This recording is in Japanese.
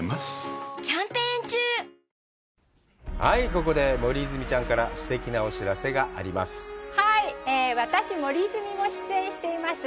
ここで森泉ちゃんからすてきなお知らせがあります。